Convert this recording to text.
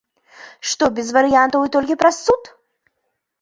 Што без варыянтаў і толькі праз суд?